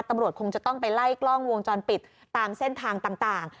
ตำรวจคงจะต้องไปไล่กล้องวงจรปิดตามเส้นทางต่าง